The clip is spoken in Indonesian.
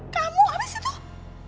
kamu habis itu